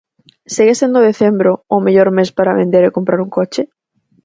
Segue sendo decembro o mellor mes para vender e comprar un coche?